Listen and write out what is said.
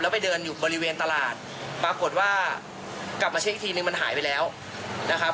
ไปเดินอยู่บริเวณตลาดปรากฏว่ากลับมาเช็คอีกทีนึงมันหายไปแล้วนะครับ